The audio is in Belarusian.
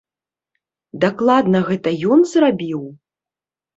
Дакладна гэта ён зрабіў?